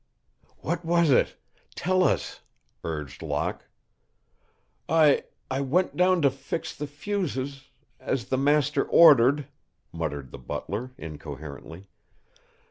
"What was it tell us?" urged Locke. "I I went down to fix the fuses as the master ordered," muttered the butler, incoherently.